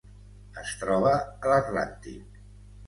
Es troba a l'Atlàntic: